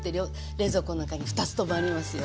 冷蔵庫の中に２つともありますよ。